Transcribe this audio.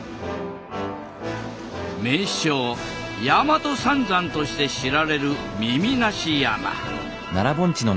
名勝大和三山として知られる耳成山。